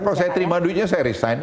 kalau saya terima duitnya saya resign